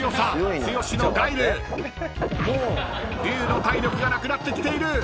［ＲＹＵの体力がなくなってきている。